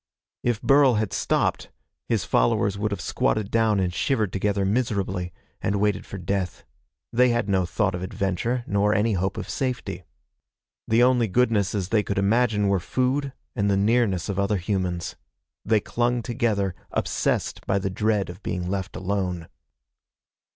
If Burl had stopped, his followers would have squatted down and shivered together miserably, and waited for death. They had no thought of adventure nor any hope of safety. The only goodnesses they could imagine were food and the nearness of other humans. They clung together, obsessed by the dread of being left alone.